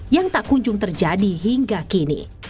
yang tak kunjung terjadi hingga kini